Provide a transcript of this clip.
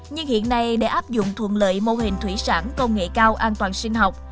nhưng hiện nay để áp dụng thuận lợi mô hình thủy sản công nghệ cao an toàn sinh học